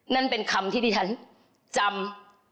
นั่นเป็นคำที่ดิฉันจำ